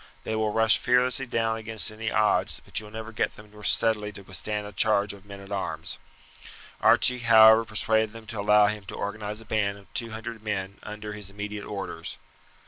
They will rush fearlessly down against any odds, but you will never get them steadily to withstand a charge of men at arms." Archie, however, persuaded them to allow him to organize a band of two hundred men under his immediate orders.